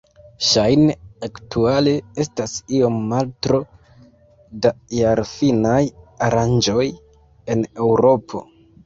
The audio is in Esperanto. Ŝajne aktuale estas iom maltro da jarfinaj aranĝoj en Eŭropo.